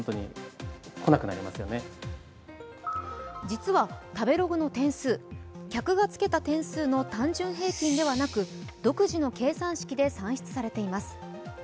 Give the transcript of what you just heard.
実は食べログの点数、客がつけた点数の単純平均ではなく独自の計算式で算出されています。